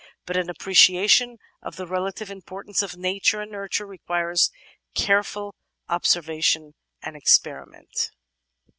But an apprecia tion of the relative importance of "nature" and "nurture" requires careful observation and experiment.